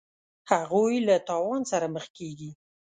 هغوی له تاوان سره مخ کیږي.